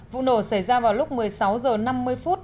vụ nổ xảy ra vào lúc một mươi sáu h năm mươi phút